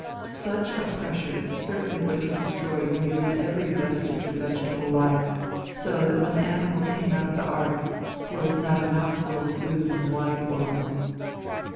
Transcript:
Such a pressure certainly would have destroyed nearly every vestige of vegetable life, so that when the animals came out of the ark, there was not a mouthful of food in the wide world.